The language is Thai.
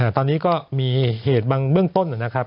ตอนนี้ก็มีเหตุบางเบื้องต้นนะครับ